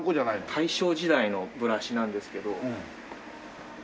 大正時代のブラシなんですけど。